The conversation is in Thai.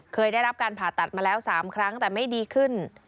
เคยได้รับการผ่าตัดมาแล้ว๓ครั้งแต่ไม่ดีขึ้น